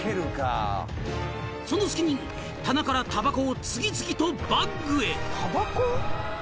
［その隙に棚からたばこを次々とバッグへ］